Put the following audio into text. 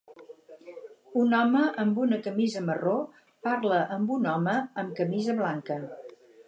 Un home amb una camisa marró parla amb un home amb camisa blanca